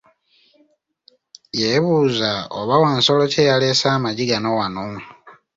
Yebuuza, oba wansolo ki eyalesse amaggi gano wano?